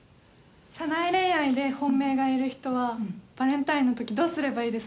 社内恋愛で本命がいる人はバレンタインの時どうすればいいですか？